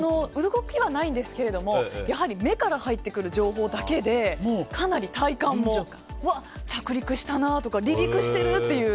動きはないんですけれどもやはり目から入ってくる情報だけで、かなり体感も着陸したなとか離陸してるっていう。